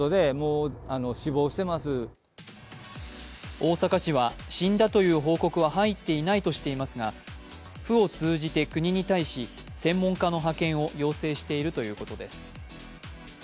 大阪市は、死んだという報告は入っていないとしていますが府を通じて国に対し専門家の派遣を要請しているということです。